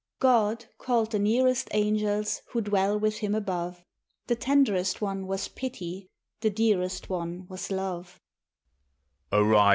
God called the nearest angels who dwell with Him above: The tenderest one was Pity, the dearest one was Love.